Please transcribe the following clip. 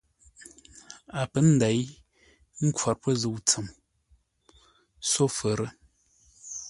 A pə́ nděi ə́ nkhwor pə́ zə̂u tsəm sófə́rə́.